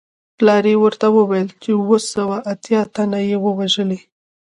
پلار یې ورته وویل چې اووه سوه اتیا تنه یې وژلي.